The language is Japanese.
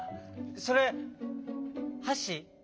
それはし？